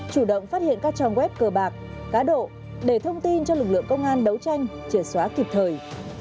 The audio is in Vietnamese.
chủ động phát hiện các trang web cờ bạc cá độ để thông tin cho lực lượng công an đấu tranh chìa xóa kịp thời